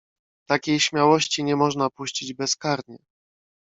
"Takiej śmiałości nie można puścić bezkarnie."